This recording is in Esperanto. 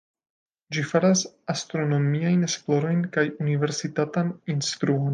Ĝi faras astronomiajn esplorojn kaj universitatan instruon.